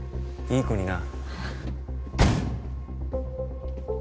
いい子にな